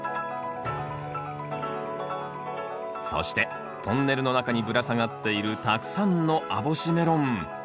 そしてトンネルの中にぶら下がっているたくさんの網干メロン。